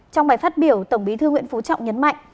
trong bài phát biểu tổng bí thư nguyễn phú trọng nhấn mạnh